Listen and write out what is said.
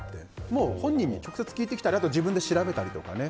もう本人に直接聞いてきたり自分で調べたりとかね。